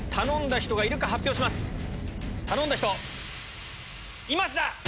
頼んだ人いました！